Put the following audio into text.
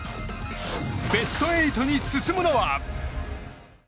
ベスト８に進むのは？